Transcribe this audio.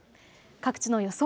各地の予想